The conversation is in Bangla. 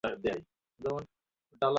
আমাদের সমস্যার এখনো সুরাহা হয়নি।